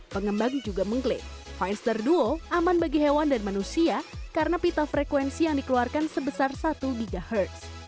pengembang juga mengklaim findster duo aman bagi hewan dan manusia karena pita frekuensi yang dikeluarkan sebesar satu ghz